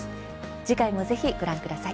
次回も、ぜひご覧ください。